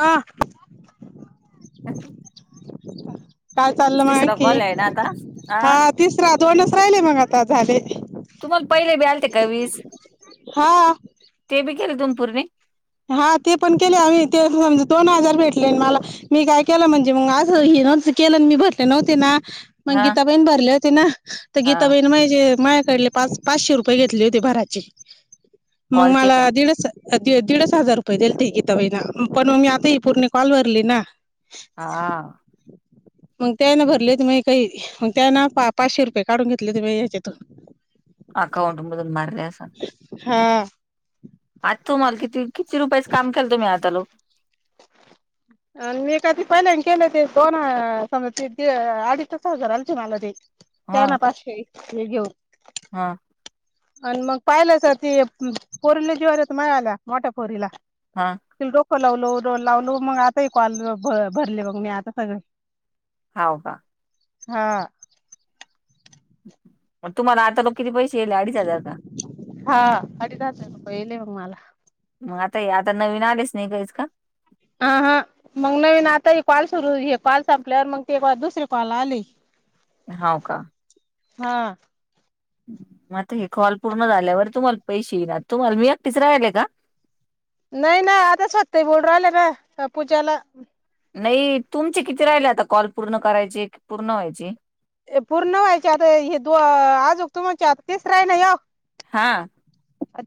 हा. काय चाललं मग तिसरा की. कॉल आहे ना आता हा आ तिसरा दोनच राहिले बघ आता झाले. तुम्हाला पहिले बी आलते का वीस. हा. ते बी केले तुम्ही पूर्ण? हा ते पण केले आम्ही तेच म्हणलं, दोन हजार भेटले न मला. मी काय केलं म्हणजे मग आज [unintelligible] मी बसले नव्हते ना पण हा गीता बहीण भरले होते ना, तर गीता हा बहीण म्हणजे माया कडले पाच पाचशे रुपये घेतले होते भरायचे, मग कॉलचे मला का दीडच अ दिडच हजार रुपये दिलते गीता बाईनं, पण मग मी आता ही पूर्ण कॉल भरली ना. हा मग त्यान भरले त मा काही मग त्या ना पाचशे रुपये काढून घेतले त्ही या्याच्यातून अकाउंट मुदून मार र्या अस हा. आज तुम्हाला किती, किती रुपयाचं काम केलं तुम्ही आता लोक. अ मी कधी पण केलं ते दोन, समज ते अडीचच हजार आलते मला ते. हा [unintelligible] हे घेऊन. हा. आणि मग पाहिलंच ते पोरीला जीवावर येतं माझ्या मोठ्या पोरीला. हा. व्हिडिओ कॉल लावलो, कॉल लावलो मग आता ही कॉल भरले मग मी आता सगळे. हाऊ का? हा. मग तुम्हाला आत्ता बघ किती पैसे येयले, अडीच हजार का? हा, अडीच हजार रुपये येयले बघ मला. मग आता ए आता नवीन आलेच नाही काहीच का? अं हं. मग नवीन आता हे कॉल सुरू हे, कॉल संपल्यावर मग तेव्हा दुसरी कॉल आले. हो का? हा. मग आत्ता हे कॉल पूर्ण झाल्यावर तुम्हाला पैसे येणार, तुम्हाला, मी एकटीच राहिले का? नाही ना, आता स्वाती ताई बोलू राहिले ना, त्या पूजाला नाही, तुमचे किती राहिले आता कॉल पूर्ण करायचे, पूर्ण व्हायचे? पूर्ण व्हायचे आता हे दो, आज तुमच्यात तिसरा आहे ना ह्यो. हा.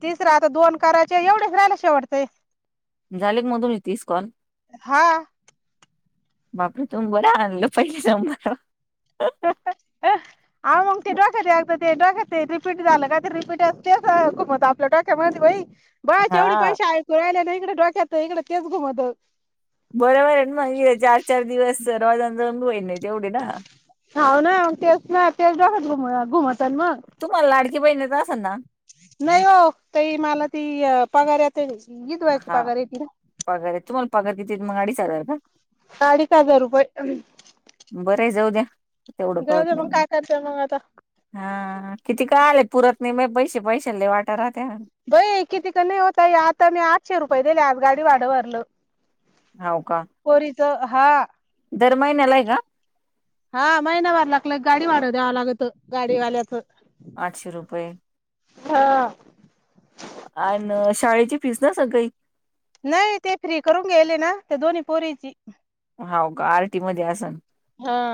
तिसरा आता दोन करायचे, एवढेच राहिले शेवटचे. झाले का मग तुमचे तीस कॉल? हा. बापरे तुम्ही बर आणलं पहिलेच नंबर [unintelligible] आहो मग ते डोक्यात आलतं ते डोक्यात ते रिपीट झालं का ते रिपीट तेच खुपत आपल्या डो [unintelligible] बाई, बायाचे एवढे हां, पैसे ऐकू राहिल्या ना इकडे, डोक्यात इकडे तेच घुमत. बरोबर आहे ना, मग चार चार दिवस [unintelligible] होईना तेवढं ना. हाव ना, मग तेच ना, तेच डोक्यात घूम घुमत मग. तुम्हाला लाडकी बहिणीचं असेल ना? नाही ओ, ताई मला ती पगार आता [unintelligible] हां, पगार येती ना पगार आहे, तुम्हाला पगार किती मग अडीच हजार का? ना अडीच हजार रुपये. बरं जाऊ द्या, तेवढका जाऊ होत दे मग नाही काय करते मग आता हा, किती काय आले पुरत नाही म पैसे पैशाले वाटा राहत्या. बई की तिकडे नाही होत आज तर मी आठशे रुपये दिले, गाडी भाडं भरलं. होव का? पोरीचं, हा दर महिन्याला आहे का? हा महिना भरला की लगी गाडी भाडं द्यावं लागतं, गाडीवाल्याचं. आठशे रुपये. हा. आन शाळेची फीज नसणं काही नाय ते फ्री करून घ्यायले ना त्या दोन्ही पोरीची हाव का आर टी मध्ये आसंनं. हा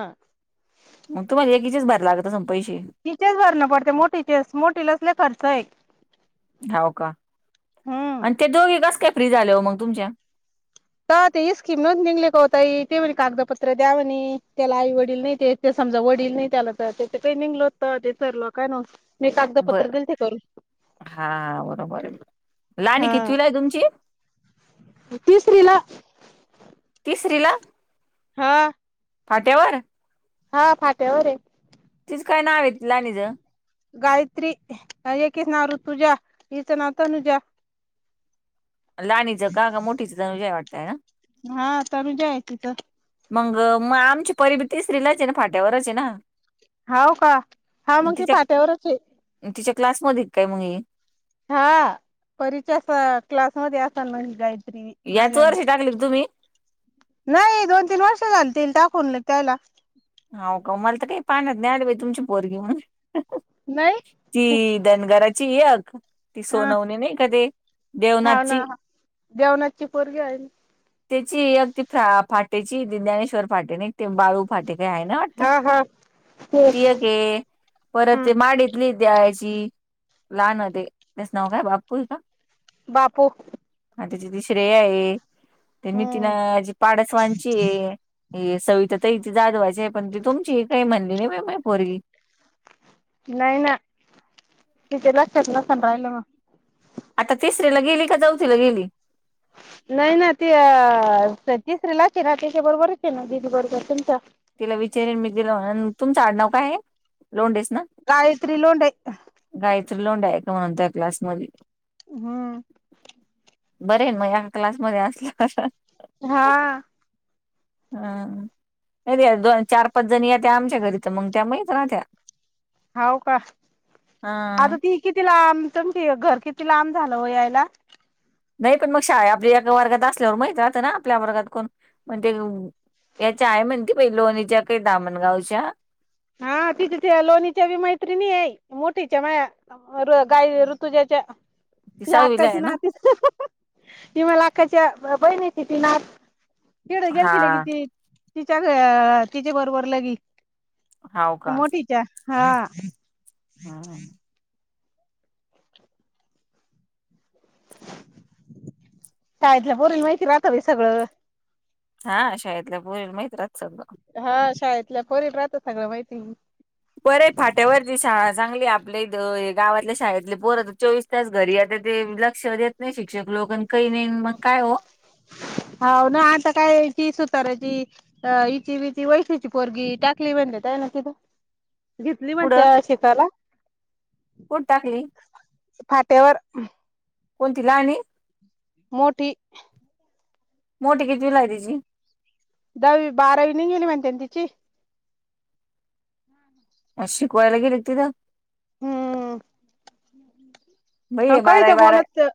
मग तुम्हाला एकीचेच भरायला लागत असेल पैसे? तिचेच भरणं पडते मोठीचेच. मोठीला लय खर्च आहे. हो का हम्म आणि ते दोघे कस काय फ्री झाले हो मग तुमच्या तर ते ही स्कीम न निघले का हो ताई ते म्हणी कागदपत्र द्या म्हणे त्याला आई वडील नाही ते ते समजा वडील नाय त्याला तर त्या काय निगल होत ते सरलं काय नं हे बर कागदपत्र दिलते करून हा बरोबर आहे लाणी हा कितवीला तुमची तिसरीला तिसरीला हा फाट्यावर हा फाट्यावर ये. तिचं काय नाव येत लहानिचं गायत्री एककी च नाव ऋतुजा हीच नाव तनुजा लाणीचं का ग मोठीचं चागं हे वाटतंय ना हा तनुजा आहे तिचं मंग म आमची पर बी तिसरीलाच ये ना फाट्यावरच ये ना. हाव का हा मग ती तिच्या फट्यावरच ये. तिच्या क्लासमधी काय मंग ही हा परीच्याच क्लासमध्ये असल मग जाईत. याच वर्षी टाकली का तुम्ही नाही दोन तीन वर्ष झालतील टाकून त्याला हाव का मला तर काय पाहण्यात नाय आली बाई तुमची पोरगी म्हणून नाही ती धनगराची एक ती सोनवणी नाय का ती हाव ना हा देवणात ची पोरगी हाय नं त्याची एक ती फा फाटेची ज्ञानेश्वर फाटे नय का ते बाळू फाटे काय हाय ना. वाटतं हा हा ते ती एक ये परत हम्म माडीतली दवायची लहान ते त्याच नाव काय बापू आहे का? बापू आणि त्याची ती श्रेया ये त्या हम्म नितीनांची ताडसवांची ये. हे सविता ताई ती जाधवाची आहे पण ती तुमची काही म्हणली नाही माई पोरगी. नाई ना तिच्या लक्षात नसणं राहिल म आता तिसऱ्याला गेली का चौथीला गेली. नाही ना ती अ तिसरीलाच हे ना तिच्या बरबरच ये ना दिदी बरोबर तुमच्या. तिला विचारीन मी दिला म्ह तुमचं आडनाव काय आहे लोंडेचं ना गायत्री लोंडेे. गायत्री लोंडे हाय का म्हणून तुझ्या क्लास मधी हा बरे ये ना मग एका क्लासमध्ये असला कस हा. हं मं त्या दो चार पाच जणी येत्या आमच्या घरी तर मग त्या माहीत रांत्या होव का हा आता ती किती लांब तुमची घर किती लांब झालं ओ यायला. नाही पण मग शाळा आपली एका वर्गात असल्यावर माहित राहतं ना आपल्या वर्गात कोण म्हण ते याची आई म्हणती बाय लोणीच्या काही दामणगावच्या हा ति तिथे लोणीच्या बी मैत्रिणी ये मोठीच्या माया. काय ऋतुज्याच्या ती सहावीला अक्काची आहे ना नाती ती मला आखाच्या बहीण य त ती ना तवड हा गेलतील कि ती तिच्या तिच्या बरोबर लगी. हाव का मोठीच्या हा हा. शाळेतल्या पोरींना माहिती राहत बाय सगळं हा शाळेतल्या पुरील माहित असत. हा शाळेतल्या पोरीत राहत सगळं माहिती बरे फाट्यावरती शाळा चांगली आपले गावातल्या शाळेतली परत चोवीस त्याच घरी आता ते लक्ष देत नाही शिक्षक लोक आणि काही नाही मग काय हो हो ना आता काय ती सुताराची [inaudible] घेतली म्हणत्या शेताला कुठ टाकली फाट्यावर कोणतीला आणि मोठी मोठी कितवीला आहे. दहावी बारावी नि गेली म्हणते ना तिची अ शिकवायला गेलं तिथ हम्म ह बाई का बारावी तर बारावी बोलत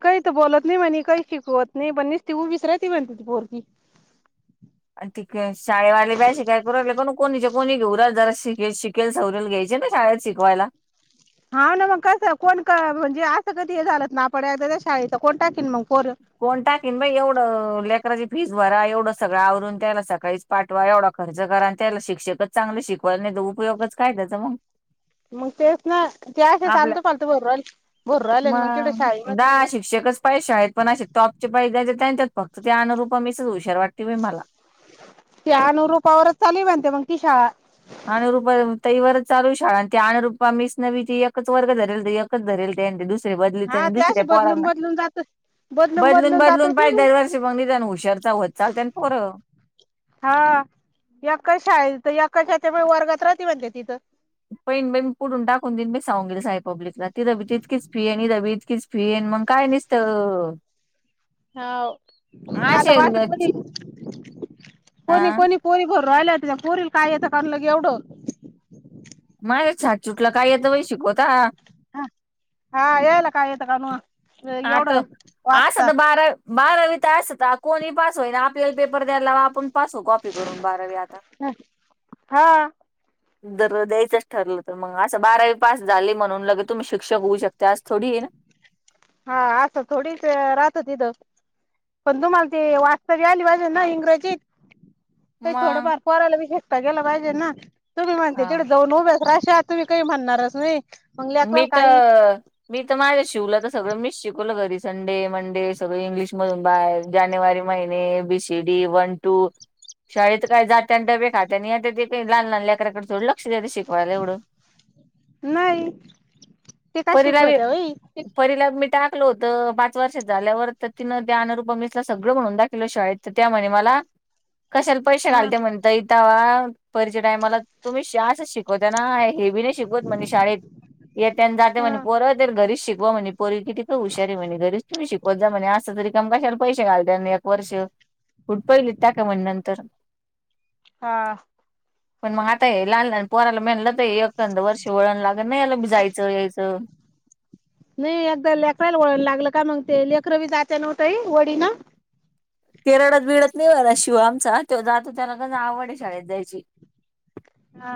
काही तर बोलत नाही म्हणे काही शिकवत नाही पण नस तीऊ विसरायती म्हण ती पोरी आणि तिकक शाळेवाले ब्याशी कायले पण कोणीचे कोणी घेऊात जरा श शिक केल सौरेल घ्यायचे ना शाळेत शिकवायला हा ना मग कसं कोण म्हणजे असं कधी हे झालंत ना आपड त्या शाळच कोण टाकेन मग कोर कोण टाकीन बा एवढं लेकराची फीस भरा एवढं सगळं आवरून त्या्यायला सकाळीच पाठवा एवढा खर्च करा आणि त्याला शिक्षकच चांगले शिकवायला नाही तर उपयोगच काय त्याचा मग मग तेच ना ते असेा आपल्या चालतो पालत भर भोरहिले मग केवं शाळ मती मी पैशा आहेत पण असे टॉपचे पैसे द्यायचे त्यां त्यात फक्त ते अनुूप मीच हुशार वाटते मी मला ते नूर रुपयावरच चाली म्हणते मग त शाळा अनुरुप तही वरच चालू शाळा आणि ते अुप मीच नवी ती एकच वर्ग धरेल तर एकच रेल हा ते दुस अशी बदलून [inaudible] बदलून जात बदलून बदलून जातच ना पाहिज मी दरवर्षी बघली त्या आणि हुशरचा होत चालते पोरं हा या कशा आहे या कशा त्या वर्गात राहते म्हणते तिथं [inaudible] फीन मंग काय नुसत हा आता असे वाट कोणी कोणी हा कोणी पुरी भरु राहिल त्या पुरी काय येतं काढलं क एवढं माझ छान चुटलं काय येतं बा शिकवता [inaudible] एवढं [inaudible] वाचता बारावी त असता कोणी पास होई ना आपल्याला पेपर द्यायला लावा आपण पास हो कॉपी करून बारावी आता हा जर द्याच ठरलं तर मग असं बारावी पास झाले म्हणून लगे तुम्ही शिक्षक होऊ शकता आज थोडी ना हा असं थोडीच राहत तिथं पण तुम्हाला ते वास्तव आली भाजे ना इंग्रजीत काही मग थोडफार पोरायला बी शकता गेला पाहिजे ना तुम्ही म्हणते हा. तिडें जाऊन उभ्या राशा तुम्ही काही म्हणणारच नाही मग मी लेकराला काही तर मी तर माझ्या शिवलं तर सगळं मी शिकवलं घरीच संडे मंडे सगळे इंग्लिश मधून बाहे जानेवारी महिने A B C D one two स शाळेत काही जात आणि डबे खात आणि ते लह लहान लल्याकडे थोडं लक्ष देतं शिकवायला एवढं. नाही. ते काय परीला भी शिकवत्या व्हय परीला भी मी टाक ल होत पाच वर्ष झाल्यावर तर तिनं त्या अनरूप मसला सगळं म्हणून दाखवल शाळेत तर त्या म्ह मला कशाला पैसे हा घालते म्हणताय आता वा परीच्या टायमाला तुम्ही शस्त शिकवता ना हे बी नाही शिकवत म्हणजे शाळेत [inaudible] हा रीच शिकवा म्हणे पोरी कितीं हुशारी म्हणे घरीच तुम् शिकवत जा म्हणे असं तरी कश्याला पैसे घालत्यान वर्ष कुठ पहिलीत टाका म्हण नंतर हा. पण मग आता हे लहान पोराला मेणलत एकंद वर्ष वळण लाग नाही याला जायचं यायचं. नाही एकदा लेकराला वला लागलं का मग ते लेकरं बी जाते नव्हतंही वडीनं. केरळात भिडत नाही वाला शिव आमचा तेव जातो त्याला क आवड ये शाळेत जायची. हा.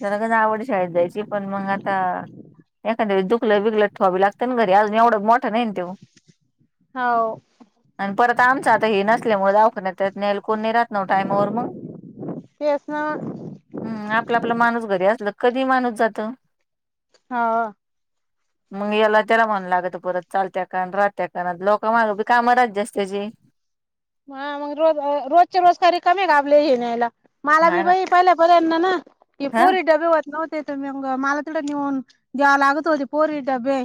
त्याला गन आवड ये शाळेत जायची पण मग आता एखा दुखलं बिकगलं ठवावी लागत ना घरीज एवढं मोठं नाही ना त्यो. हाव. आणि परत आमचं आता हे नसल्यामुळे दावख त्यात नेल कोणणी राहत ना टाईमवर मग. ते च ना. हम्म आपलं आपला माणूस घरी असल कधी माणूस जात. हा. मग याला त्याला म्हणं लागत परत चालत्या काण राहत्या कारणात लोक मागी काम राहत जास्तीची. हा मग रोज रोजच्या रोज कार्य कमी का आपल हे न्यायला. मला बी हा ना बाई पहिल्या पर्यंतना ना की ह पोरी डबे होत नव्हते म मला तडं नेऊन द्याव लागत होती पोरी डबे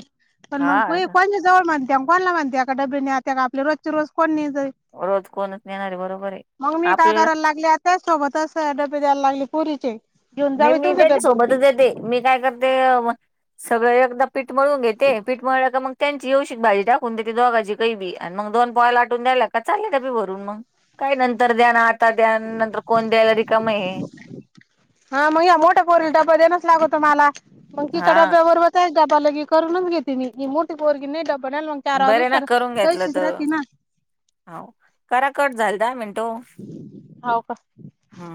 पण मग हा को जवळ माणते कोणाला माणते एका डब नाही आता का आपल्या रोजचे रोज कोण नेयत जाईन. रोज कोणच नेणार बरोबर आहे. मग मी काय आपल्याला करायला लागले त्याच सोबतच डबे द्यायला लागली पुरीचे. मी मी त्यांच्या सोबतच येते. मी काय करते सगळं एकदा पीठ मळून घेते पीठ मळलं का मग त्यांची यवशिक भाजी टाकून तेते दोघाची कै बी आणि मग दोन पॉया लाटून द्यायला का चाले डबे भरून म. काही नंतर द्यान आता द्यान नंतर कोण द्यायला रिकाम आहे. हा मग या मोठा कोर डबबा देणच लागततो मला मग तिच्या हा डब्याबरोबर डबा लगे करूनच घेते म मोठीिक वरगन नाही डबाया चार बरे ना वाजतार करून घेतलं दशच तर राहती ना. हो करा कट झाल दहा मिनट. हाव का. हा.